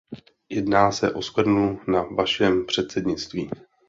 Jedná se o skvrnu na vašem předsednictví.